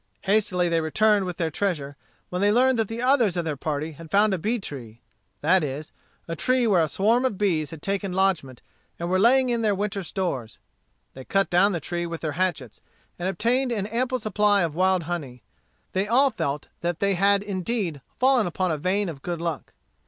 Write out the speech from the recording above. Hastily they returned with their treasure, when they learned that the others of their party had found a bee tree, that is, a tree where a swarm of bees had taken lodgment, and were laying in their winter stores. They cut down the tree with their hatchets, and obtained an ample supply of wild honey. They all felt that they had indeed fallen upon a vein of good luck.